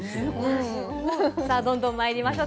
どんどんまいりましょう。